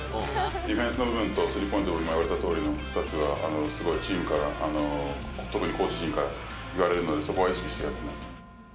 ディフェンスの部分とスリーポイントの２つはすごいチームから、特にコーチ陣から言われるので、そこは意識してやってます。